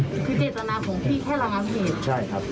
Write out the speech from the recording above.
คือเจตนาของพี่แค่ระงับเหตุใช่ครับ